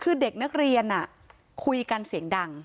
คือเด็กนักเรียนคุยกันเสียงดัง